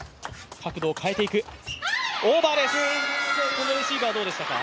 このレシーブはどうでしたか？